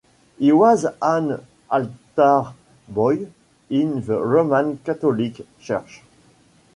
He was an altar boy in the Roman Catholic Church.